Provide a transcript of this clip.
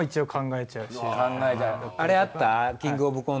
あれあった？